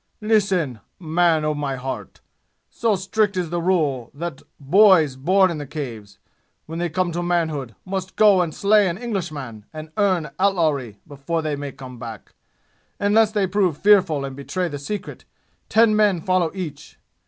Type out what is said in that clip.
Listen man o' my heart! so strict is the rule that boys born in the Caves, when they come to manhood, must go and slay an Englishman and earn outlawry before they may come back; and lest they prove fearful and betray the secret, ten men follow each.